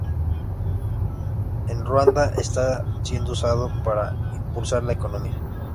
En Ruanda está siendo usado para impulsar la economía.